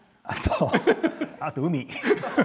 あと海。